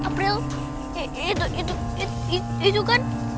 april itu itu itu itu kan bukti duyung kita ikutin aja yuk ayo